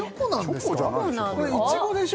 これいちごでしょ？